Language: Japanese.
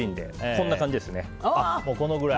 こんな感じですね。